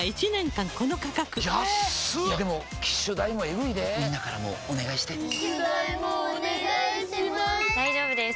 でも機種代もエグいでぇみんなからもお願いして機種代もお願いします